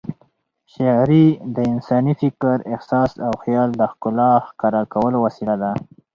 شاعري د انساني فکر، احساس او خیال د ښکلا ښکاره کولو وسیله ده.